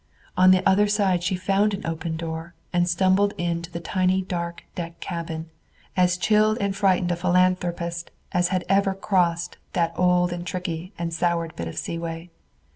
On the other side she found an open door and stumbled into the tiny dark deck cabin, as chilled and frightened a philanthropist as had ever crossed that old and tricky and soured bit of seaway.